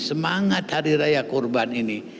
semangat hari raya kurban ini